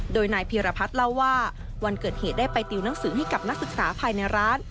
โดยนายพีรพัฒน์เล่าว่าวันเกิดเหตุได้ไปติวหนังสือให้กับนักศึกษาภายในร้าน